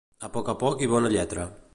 A poc a poc i bona lletra